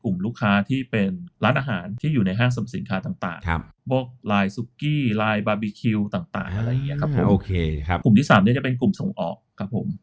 กลุ่มที่๓เนี่ยเป็นกลุ่มสงอครับผม